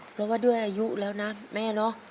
เพราะว่าด้วยอายุแล้วนะแม่เนอะ